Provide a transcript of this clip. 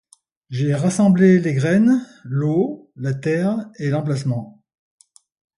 J’ai rassemblé les graines, l’eau, la terre et l’emplacement…